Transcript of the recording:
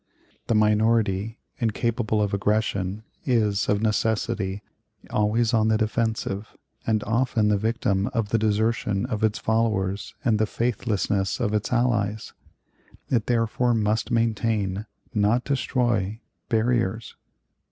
The minority, incapable of aggression, is, of necessity, always on the defensive, and often the victim of the desertion of its followers and the faithlessness of its allies. It therefore must maintain, not destroy, barriers.